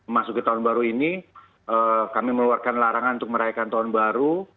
masuk ke tahun baru ini kami meluarkan larangan untuk merayakan tahun baru